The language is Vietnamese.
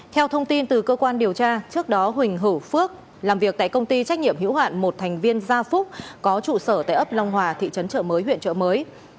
theo thông tin từ cơ quan điều tra trước đó huỳnh hữu phước làm việc tại công ty trách nhiệm hữu hạn một thành viên gia phúc có trụ sở tại ấp long hòa thị trấn trợ mới huyện trợ mới